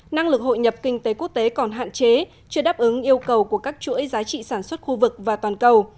năng lực hội nhập kinh tế quốc tế còn hạn chế chưa đáp ứng yêu cầu của các chuỗi giá trị sản xuất khu vực và toàn cầu